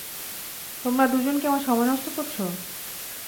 তোমরা দুজন কি আমার সময় নষ্ট করছ?